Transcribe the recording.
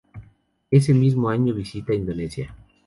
Ese mismo año visita Indonesia.